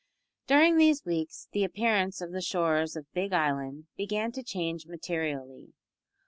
During these weeks the appearance of the shores of Big Island began to change materially.